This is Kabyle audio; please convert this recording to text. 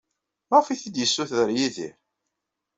Maɣef ay t-id-yessuter Yidir?